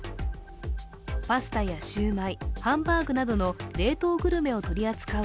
パスタやしゅうまい、ハンバーグなどの冷凍グルメを取り扱う